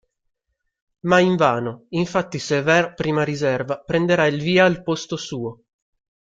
Ma invano, infatti Cévert prima riserva, prenderà il via al posto suo.